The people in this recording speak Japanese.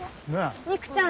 みくちゃん